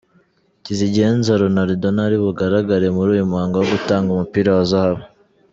Kizigenza Ronaldo ntari bugaragare muri uyu muhango wo gutanga umupira wa zahabu!.